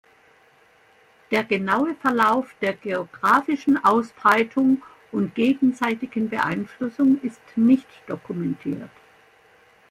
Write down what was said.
Der genaue Verlauf der geographischen Ausbreitung und gegenseitigen Beeinflussung ist nicht dokumentiert.